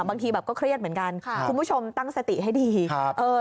บางทีก็เครียดเหมือนกันคุณผู้ชมตั้งสติให้ดี